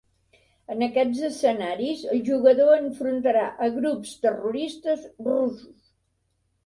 En aquests escenaris el jugador enfrontarà a grups terroristes russos.